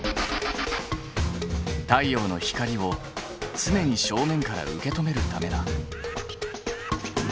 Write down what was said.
太陽の光を常に正面から受け止めるためだ。